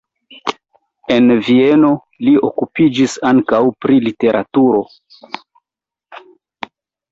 En Vieno li okupiĝis ankaŭ pri literaturo.